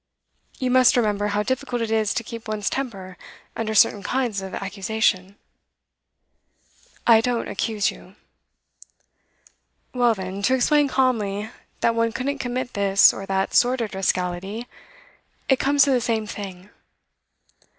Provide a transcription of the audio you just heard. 'You must remember how difficult it is to keep one's temper under certain kinds of accusation.' 'I don't accuse you.' 'Well, then, to explain calmly that one couldn't commit this or that sordid rascality; it comes to the same thing.